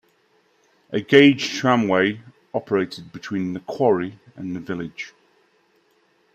A gauge tramway operated between the quarry and the village.